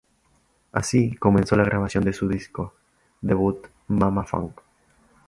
Así comenzó la grabación de su disco debut "Mama Funk".